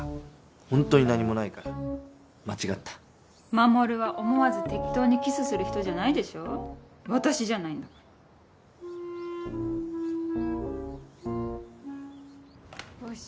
ホントに何もないから間違った衛は思わず適当にキスする人じゃないでしょ私じゃないんだからよし